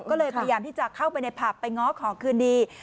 ก็เลยพยายามที่จะเข้าไปในผับไปง้อขอคืนดี